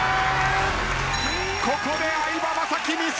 ここで相葉雅紀ミス！